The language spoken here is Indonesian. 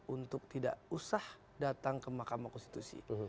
untuk tidak usah datang ke mahkamah konstitusi